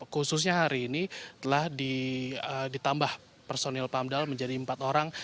khususnya hari ini telah ditambah personil pamdal menjadi empat orang